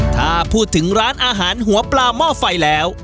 ถ้าพูดถึงร้านอาหารหัวปลาหม้อไฟแล้ว